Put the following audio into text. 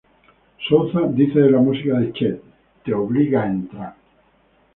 Souza dice de la música de Chet: "Te obliga a entrar.